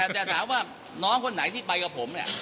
แต่ถามว่าน้องคนไหนที่ไปกับผมเนี่ย